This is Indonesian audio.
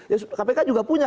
ya kpk juga punya